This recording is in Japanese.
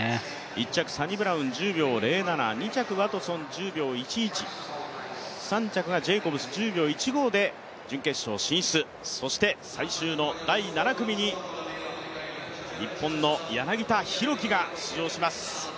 １着、サニブラウン、１０秒０７、２着ワトソン１０秒１１、３着がジェイコブス、１０秒１５で準決勝進出、最終の第７組に日本の柳田大輝が出場します。